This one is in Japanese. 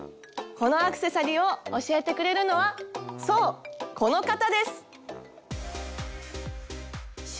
このアクセサリーを教えてくれるのはそうこの方です！